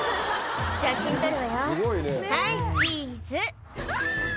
「写真撮るわよはいチーズ」